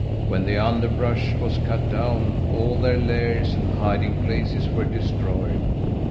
When the underbrush was cut down, all their lairs and hiding places were destroyed."